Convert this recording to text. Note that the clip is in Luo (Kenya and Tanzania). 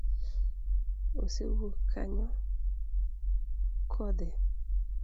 Osewuok kanyo kodhi?